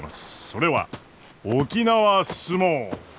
それは沖縄角力！